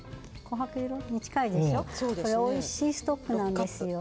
これはおいしいストックなんですよ。